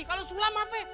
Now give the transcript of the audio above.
kalau sulam apa